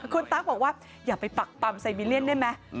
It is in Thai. คุณตั๊กบอกว่าอย่าไปปักปำไซบีเรียนได้ไหม